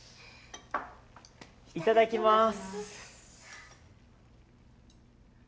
いただきます。